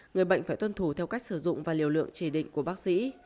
người bệnh phải tuân thủ theo cách sử dụng và liều lượng chỉ định của bác sĩ